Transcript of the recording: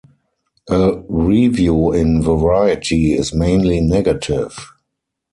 A review in "Variety" is mainly negative.